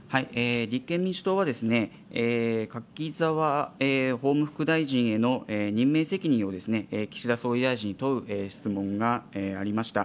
立憲民主党はですね、柿沢法務副大臣への任命責任を、岸田総理大臣に問う質問がありました。